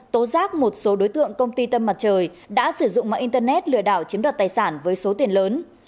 tố giác một số đối tượng công ty tâm mặt trời đã sử dụng mạng internet lừa đảo chiếm đoạt tài sản với số tiền lớn